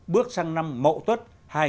bước sang năm mậu tuất hai nghìn một mươi tám